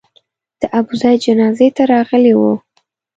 د ابوزید جنازې ته راغلي وو.